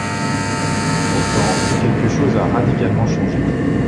Pourtant, quelque chose a radicalement changé.